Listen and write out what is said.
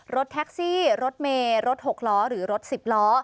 รถแท็กซี่รถเมย์รถหกล้อหรือรถ๑๐ล้อ